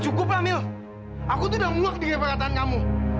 cukup amil aku tuh udah muak denger perkataan kamu